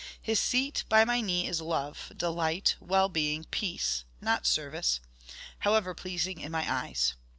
His seat by my knee is love, delight, well being, peace not service, however pleasing in my eyes.